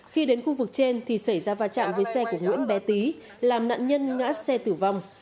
khi đến khu vực trên thì xảy ra va chạm với xe của nguyễn bé tý làm nạn nhân ngã xe tử vong